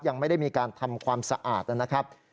ยังไม่ได้มีการทำความสะอาดนะครับ